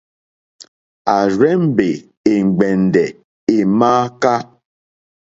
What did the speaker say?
À rzé-mbè è ŋgbɛ̀ndɛ̀ è mááká.